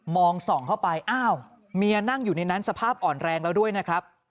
ส่องเข้าไปอ้าวเมียนั่งอยู่ในนั้นสภาพอ่อนแรงแล้วด้วยนะครับ